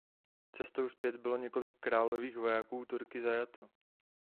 Cestou zpět bylo několik králových vojáků Turky zajato.